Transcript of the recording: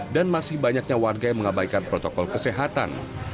dan masih banyaknya warga yang mengabaikan protokol kesehatan